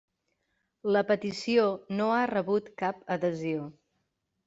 La petició no ha rebut cap adhesió.